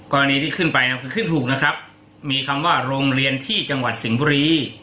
กรณีที่ขึ้นไปขึ้นถูกนะครับมีคำว่าโรงเรียนที่จังหวัดสิงห์บุรี